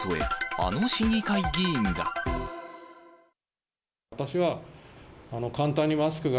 あの市議会議員が。